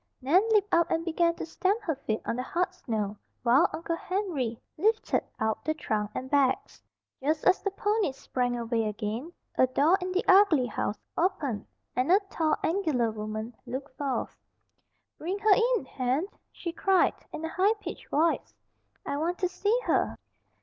Nan leaped out and began to stamp her feet on the hard snow, while Uncle Henry lifted out the trunk and bags. Just as the ponies sprang away again, a door in the ugly house opened and a tall, angular woman looked forth. "Bring her in, Hen!" she cried, in a high pitched voice. "I want to see her."